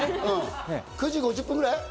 ９時５０分ぐらい？